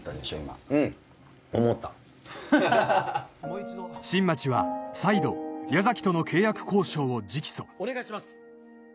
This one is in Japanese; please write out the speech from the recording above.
今うん思った新町は再度矢崎との契約交渉を直訴お願いします